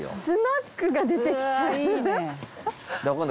スナックが出てきちゃった。